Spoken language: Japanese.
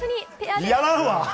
やらんわ！